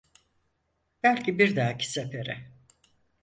Belki bir dahaki sefere.